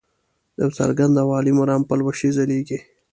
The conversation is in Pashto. د یو څرګند او عالي مرام پلوشې ځلیږي.